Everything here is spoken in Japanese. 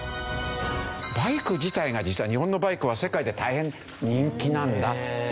バイク自体が実は日本のバイクは世界で大変人気なんだっていう事です。